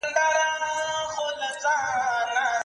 خطا منمه خو جانان راباندي پور نه لري